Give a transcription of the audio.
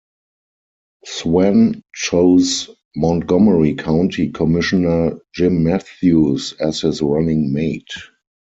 Swann chose Montgomery County Commissioner Jim Matthews as his running mate.